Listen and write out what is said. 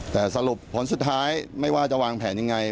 แต่สรุปผลสุดท้ายไม่ว่าจะวางแผนยังไง